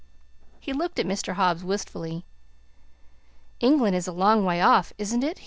He looked at Mr. Hobbs wistfully. "England is a long way off, isn't it?"